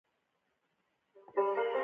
د ژبې څوکه له خوږوالي سره ډېر حساسیت لري.